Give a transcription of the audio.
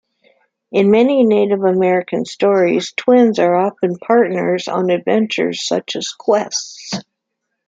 In many Native American stories, twins are often partners on adventures such as quests.